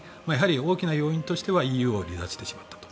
大きな要因としてはＥＵを離脱してしまったと。